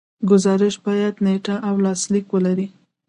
ګزارش باید نیټه او لاسلیک ولري.